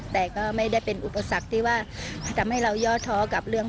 แต่ก็ไม่ได้เป็นอุปสรรคที่ว่าทำให้เราย่อท้อกับเรื่อง